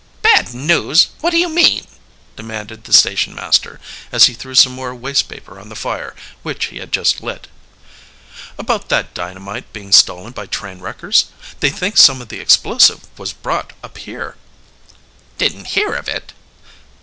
"Bad news? What do you mean?" demanded the station master, as he threw some more waste paper on the fire, which he had just lit. "About that dynamite being stolen by train wreckers. They think some of the explosive was brought up here." "Didn't hear of it."